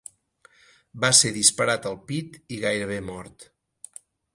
Va ser disparat al pit i gairebé mort.